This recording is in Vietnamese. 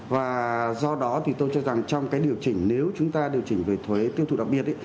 và do đó thì tôi cho rằng trong cái điều chỉnh nếu chúng ta điều chỉnh về thuế tiêu thụ đặc biệt